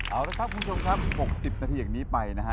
เอาละครับคุณผู้ชมครับ๖๐นาทีอย่างนี้ไปนะฮะ